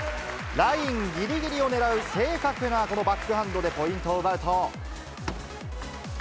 ラインぎりぎりを狙う正確なこのバックハンドでポイントを奪うと。